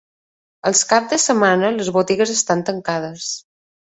Els caps de setmana les botigues estan tancades.